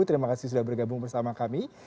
terima kasih sudah bergabung bersama kami